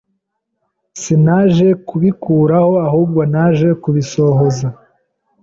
Sinaje kubikuraho, ahubwo naje kubisohoza.